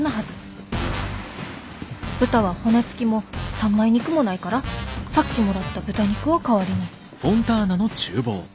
豚は骨付きも三枚肉もないからさっきもらった豚肉を代わりに。